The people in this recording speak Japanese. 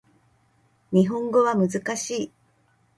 日本語は難しい